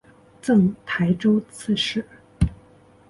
赠台州刺史。